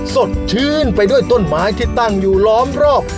สดชื่นไปด้วยต้นไม้ที่ตั้งอยู่ล้อมรอบ